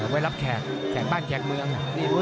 ไว้รับแขกแขกบ้านแขกเมือง